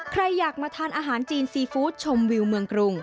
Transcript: ใครอยากมาทานอาหารจีนซีฟู้ดชมวิวเมืองกรุง